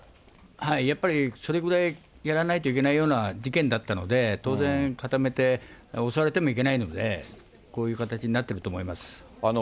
やっぱりそれぐらいやらないといけないような事件だったので、当然、固めて、襲われてもいけないので、こういう形になってると思います。